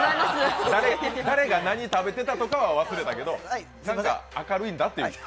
誰が何食べてたかとかは忘れたけど何か明るいんだという。